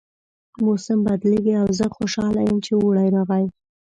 موسم بدلیږي او زه خوشحاله یم چې اوړی راغی